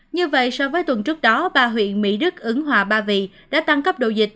như vậy so với tuần trước đó ba huyện mỹ đức ứng hòa ba vị đã tăng cấp độ dịch